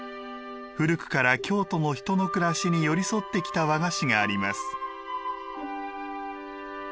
古くから京都の人の暮らしに寄り添ってきた和菓子があります。